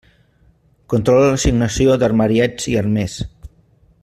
Controla l'assignació d'armariets i armers.